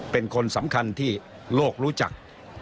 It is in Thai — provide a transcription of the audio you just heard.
เป็นคนสำคัญที่โลกรู้จัก